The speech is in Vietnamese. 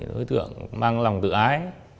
đối tượng mang lòng tự ái